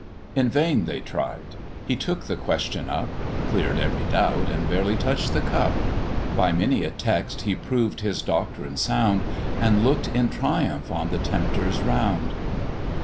In vain they tried; he took the question up, Clear'd every doubt, and barely touch'd the cup: By many a text he proved his doctrine sound, And look'd in triumph on the tempters round.